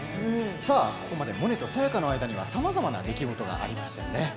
ここまでモネとサヤカの間にはさまざまな出来事がありましたよね。